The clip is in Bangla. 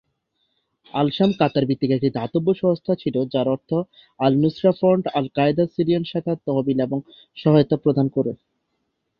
আল-শাম কাতার ভিত্তিক একটি দাতব্য সংস্থা ছিল যার অর্থ আল-নুসরা ফ্রন্ট, আল-কায়েদার সিরিয়ান শাখার তহবিল এবং সহায়তা প্রদান করে।